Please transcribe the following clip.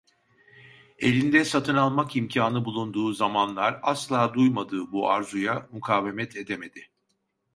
Elinde satın almak imkânı bulunduğu zamanlar asla duymadığı bu arzuya mukavemet edemedi.